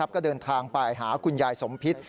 ก็เดินทางไปหาคุณยายสมพิษ